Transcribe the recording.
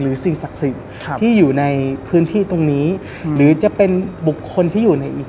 สิ่งศักดิ์สิทธิ์ที่อยู่ในพื้นที่ตรงนี้หรือจะเป็นบุคคลที่อยู่ในอีก